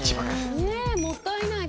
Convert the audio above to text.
ねえもったいない。